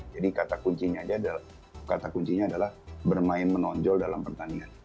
jadi kata kuncinya adalah bermain menonjol dalam pertandingan